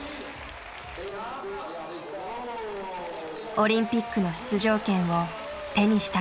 オリンピックの出場権を手にしたかに思えた。